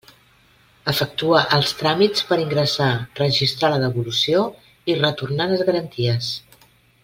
Efectua els tràmits per ingressar, registrar la devolució i retornar les garanties.